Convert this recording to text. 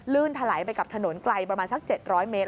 ถลายไปกับถนนไกลประมาณสัก๗๐๐เมตร